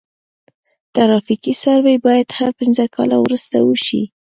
ترافیکي سروې باید هر پنځه کاله وروسته وشي